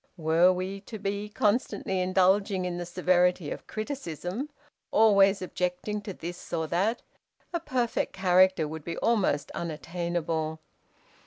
Were we to be constantly indulging in the severity of criticism, always objecting to this or that, a perfect character would be almost unattainable.